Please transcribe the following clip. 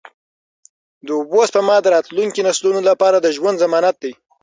د اوبو سپما د راتلونکو نسلونو لپاره د ژوند ضمانت دی.